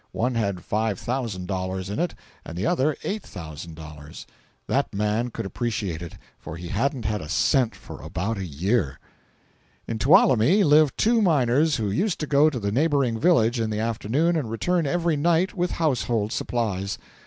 One had $5,000 in it and the other $8,000. That man could appreciate it, for he hadn't had a cent for about a year. In Tuolumne lived two miners who used to go to the neighboring village in the afternoon and return every night with household supplies.